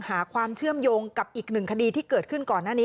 หาความเชื่อมโยงกับอีกหนึ่งคดีที่เกิดขึ้นก่อนหน้านี้